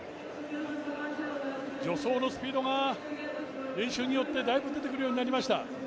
助走のスピードが練習によってだいぶ出てくるようになりました。